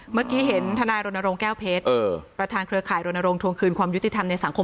เมื่อกี้เห็นทนายรณรงค์แก้วเพชรประธานเครือข่ายรณรงควงคืนความยุติธรรมในสังคม